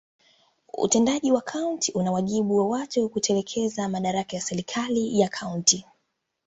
Utendaji wa kaunti una wajibu wa kutekeleza madaraka ya serikali ya kaunti.